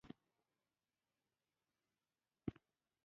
افغانستان د خپل بډایه کلتور په برخه کې پوره نړیوال شهرت لري.